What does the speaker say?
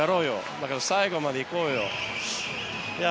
だから最後まで行こうよ。